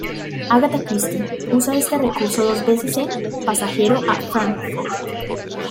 Agatha Christie usa este recurso dos veces en "Pasajero a Frankfurt".